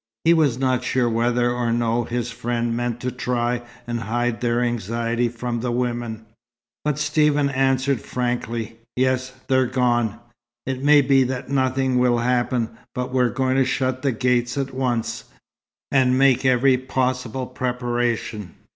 He was not sure whether or no his friend meant to try and hide their anxiety from the women. But Stephen answered frankly. "Yes, they've gone. It may be that nothing will happen, but we're going to shut the gates at once, and make every possible preparation."